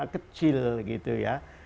kecil gitu ya